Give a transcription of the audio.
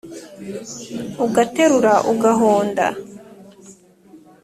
Ugaterura ugahonda